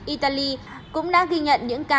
italy cũng đã ghi nhận những ca